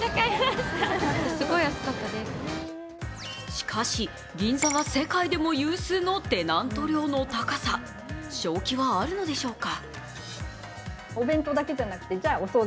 しかし銀座は世界でも有数のテナント料の高さ勝機はあるのでしょうか。